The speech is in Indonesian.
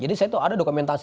jadi saya tuh ada dokumentasi